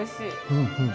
うんうん！